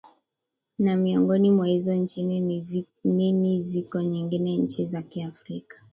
naa na miongoni mwa hizo nchini ni ni ziko nyingine nchi za kiafrika